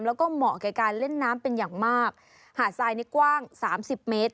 แล้วก็เหมาะกับการเล่นน้ำเป็นอย่างมากหาดทรายนี่กว้างสามสิบเมตร